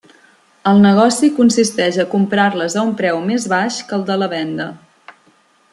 El negoci consisteix a comprar-les a un preu més baix que el de la venda.